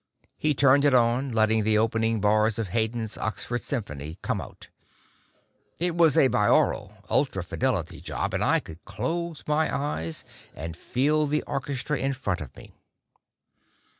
He turned it on, letting the opening bars of Haydn's Oxford Symphony come out. It was a binaural, ultra fidelity job, and I could close my eyes and feel the orchestra in front of me.